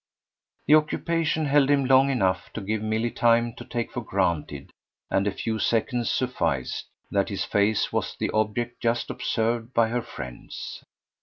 The occupation held him long enough to give Milly time to take for granted and a few seconds sufficed that his face was the object just observed by her friends.